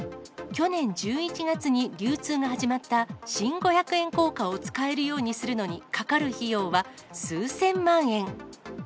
去年１１月に流通が始まった新五百円硬貨を使えるようにするのにかかる費用は、数千万円。